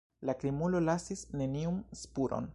La krimulo lasis neniun spuron.